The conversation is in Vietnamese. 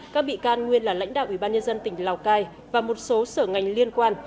các bị can nguyên là lãnh đạo ủy ban nhân dân tỉnh lào cai và một số sở ngành liên quan